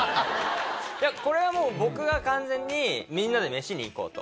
これはもう僕が完全にみんなで飯に行こうと。